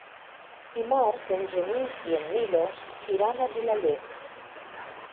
Dimarts en Genís i en Milos iran a Vilaller.